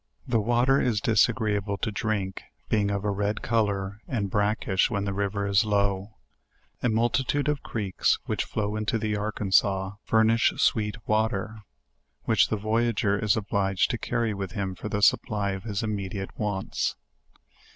The water is disagreea ble to drink, being of a red color and brackish when the riv er is low. A multitude of creeks which flow into the Ar kansas furnish sweet water, which the voyager is obliged tx> carry with him for the supply of his immediate wants.